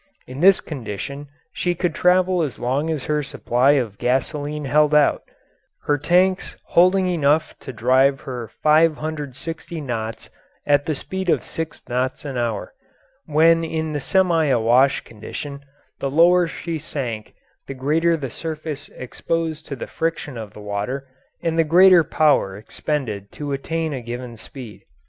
In this condition she could travel as long as her supply of gasoline held out her tanks holding enough to drive her 560 knots at the speed of six knots an hour, when in the semi awash condition; the lower she sank the greater the surface exposed to the friction of the water and the greater power expended to attain a given speed.